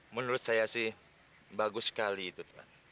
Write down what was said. menurut saya sih bagus sekali itu